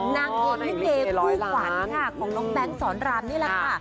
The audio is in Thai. นางเอกพูดขวานของน้องแบนก์สอนรามนี่แหละค่ะ